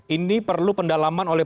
ini perlu pendalaman oleh